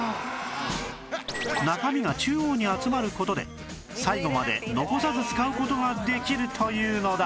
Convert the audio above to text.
中身が中央に集まる事で最後まで残さず使う事ができるというのだ